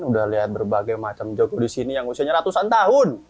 udah lihat berbagai macam joko di sini yang usianya ratusan tahun